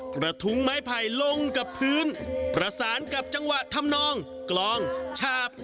กระทุ้งไม้ไผ่ลงกับพื้นประสานกับจังหวะทำนองกลองฉาบ